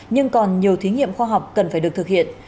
nhưng còn nhiều thí nghiệm khoa học cần phải được thực hiện